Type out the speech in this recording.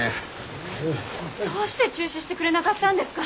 どうして中止してくれなかったんですか？